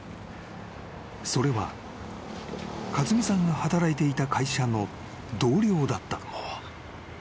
［それは勝美さんが働いていた会社の同僚だった］